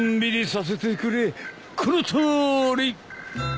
このとおり！